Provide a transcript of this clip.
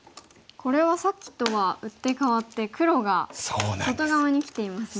これはさっきとは打って変わって黒が外側にきていますね。